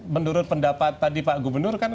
menurut pendapat tadi pak gubernur kan